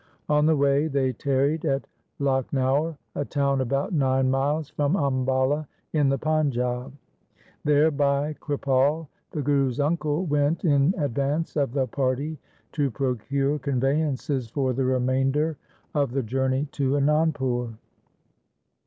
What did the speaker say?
On the way they tarried at Lakhnaur, a town about nine miles from Ambala in the Panjab. There Bhai Kripal, the Guru's uncle, went in advance of the party to procure conveyances for the remain der of the journey to Anandpur.